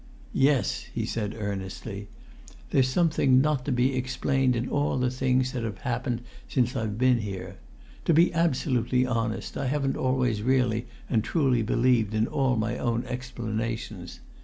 "Yes!" he said earnestly. "There's something not to be explained in all the things that have happened since I've been here. To be absolutely honest, I haven't always really and truly believed in all my own explanations.